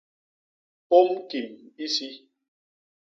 Ôm kim isi.